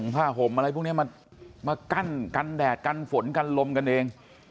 ผ้าห่มอะไรพวกนี้มากั้นกันแดดกันฝนกันลมกันเอง